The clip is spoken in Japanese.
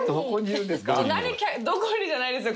「どこに？」じゃないですよ